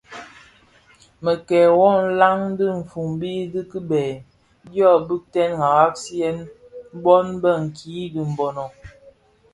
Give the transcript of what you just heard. Merke wu nlan dhifombi di kibèè dyo bigtèn nghaghasiyen bon bë nki di Mbono.